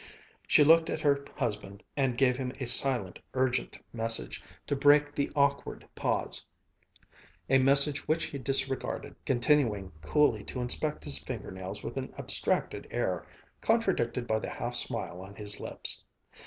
She looked at her husband and gave him a silent, urgent message to break the awkward pause, a message which he disregarded, continuing coolly to inspect his fingernails with an abstracted air, contradicted by the half smile on his lips.